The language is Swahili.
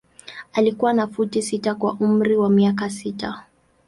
Alikuwa na futi sita kwa umri wa miaka sita.